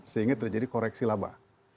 sehingga terjadi koreksi laba